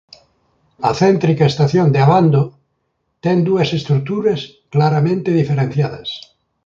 A céntrica estación de Abando ten dúas estruturas claramente diferenciadas.